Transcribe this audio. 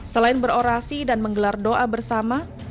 selain berorasi dan menggelar doa bersama